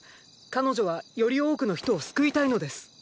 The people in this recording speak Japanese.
彼女はより多くの人を救いたいのです。